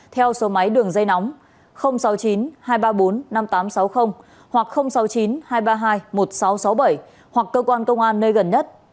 theo số máy đường dây nóng sáu mươi chín hai trăm ba mươi bốn năm nghìn tám trăm sáu mươi hoặc sáu mươi chín hai trăm ba mươi hai một nghìn sáu trăm sáu mươi bảy hoặc cơ quan công an nơi gần nhất